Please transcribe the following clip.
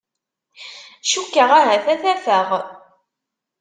Cukkeɣ ahat ad t-afeɣ